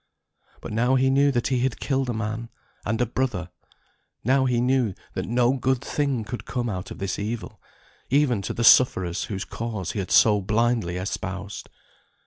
But now he knew that he had killed a man, and a brother, now he knew that no good thing could come out of this evil, even to the sufferers whose cause he had so blindly espoused.